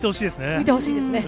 見てほしいですね。